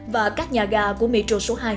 và các nhà ga của metro số hai